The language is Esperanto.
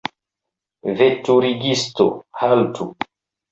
Veturigisto, haltu!